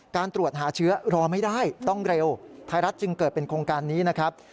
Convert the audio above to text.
การตรวจหาเชื้อรอไม่ได้ต้องเร็วไทยรัฐจึงเกิดเป็นโครงการนี้นะครับ